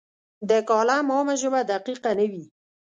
د کالم عامه ژبه دقیقه نه وي.